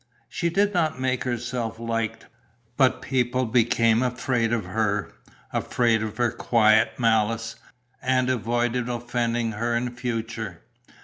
She did not make herself liked, but people became afraid of her, afraid of her quiet malice, and avoided offending her in future.